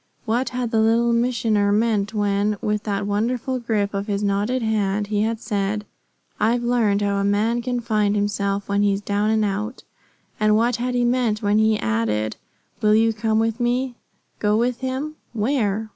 What had the Little Missioner meant when, with that wonderful grip of his knotted hand, he had said, "I've learned how a man can find himself when he's down and out"? And what had he meant when he added, "Will you come with me"? Go with him? Where?